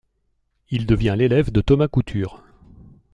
Il devient l'élève de Thomas Couture.